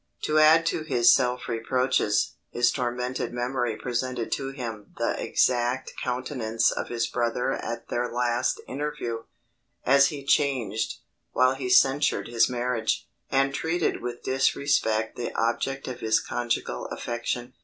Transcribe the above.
To add to his self reproaches, his tormented memory presented to him the exact countenance of his brother at their last interview, as it changed, while he censured his marriage, and treated with disrespect the object of his conjugal affection.